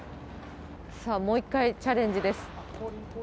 さあ、もう１回チャレンジです。